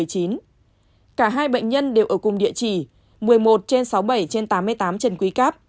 cả hai bệnh nhân đều ở cùng địa chỉ một mươi một trên sáu mươi bảy trên tám mươi tám trần quý cáp